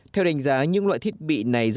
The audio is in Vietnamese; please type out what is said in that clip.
theo đánh giá những loại thiết bị này